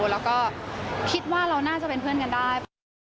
แล้วก็คิดว่าเราน่าจะเป็นเพื่อนกันได้